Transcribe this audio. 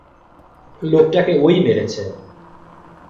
লোকটাকে ওই মেরেছে!